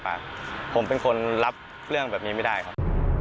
ผมเป็นคนรับเรื่องแบบนี้ไม่ได้ครับ